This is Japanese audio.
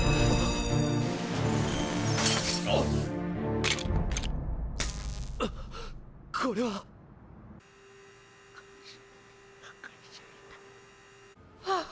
っ！！っ⁉これは！あっ！